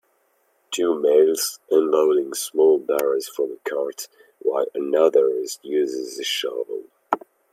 Two males unloading small barrels from a cart, while another uses a shovel.